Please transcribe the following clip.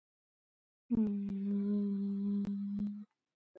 გამოყო ბაიკალური დანაოჭება.